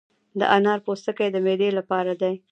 د انار پوستکي د معدې لپاره دي.